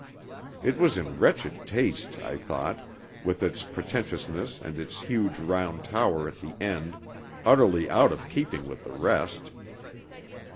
It was in wretched taste, I thought, with its pretentiousness and its huge round tower at the end, utterly out of keeping with the rest.